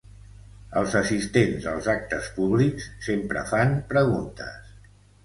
Els assistents als actes públics sempre fan preguntes.